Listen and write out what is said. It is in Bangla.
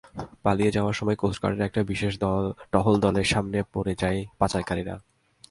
পালিয়ে যাওয়ার সময় কোস্টগার্ডের একটি বিশেষ টহল দলের সামনে পড়ে যায় পাচারকারীরা।